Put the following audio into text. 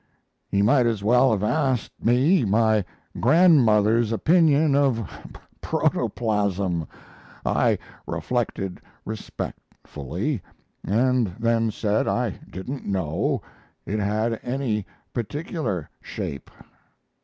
He might as well have asked me my grandmother's opinion of protoplasm. I reflected respectfully, and then said I didn't know it had any particular shape.